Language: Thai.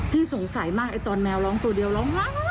พี่สงสัยมากตอนแมวร้องตัวเดียวร้อง